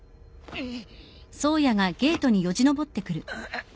えっ？